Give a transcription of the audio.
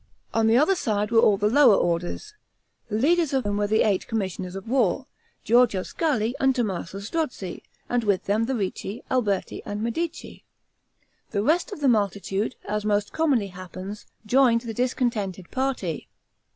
On the other side, were all the lower orders, the leaders of whom were the eight commissioners of war, Giorgio Scali and Tommaso Strozzi, and with them the Ricci, Alberti, and Medici. The rest of the multitude, as most commonly happens, joined the discontented party.